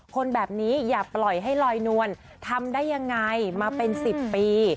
คนแบบนี้อย่าปล่อยให้ลอยนวลทำได้ยังไงมาเป็น๑๐ปี